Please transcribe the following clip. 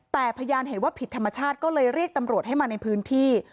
แต่พยานเห็นว่าผิดธรรมชาติก็เลยเรียกตำรวจให้มาในพื้นที่